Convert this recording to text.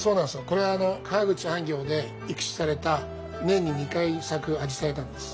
これは川口安行で育種された年に２回咲くアジサイなんです。